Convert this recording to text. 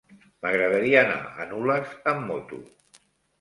M'agradaria anar a Nulles amb moto.